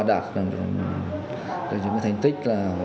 đạt được những thành tích